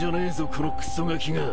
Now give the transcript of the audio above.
このクソガキが。